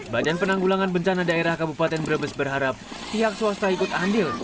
badan penanggulangan bencana daerah kabupaten brebes berharap pihak swasta ikut andil